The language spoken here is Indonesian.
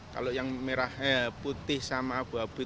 kalau yang putih sama abu abu itu ya kurang lebih dua ratus an